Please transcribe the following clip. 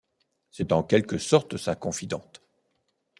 C'est en quelque sorte sa confidente.